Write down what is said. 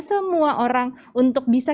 semua orang untuk bisa